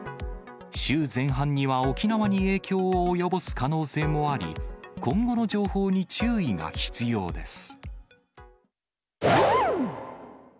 週前半には沖縄に影響を及ぼす可能性もあり、今後の情報に注意が必要です。